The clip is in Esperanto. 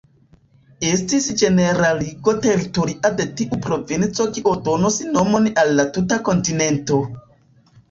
Estis ĝeneraligo teritoria de tiu provinco kio donos nomon al la tuta kontinento.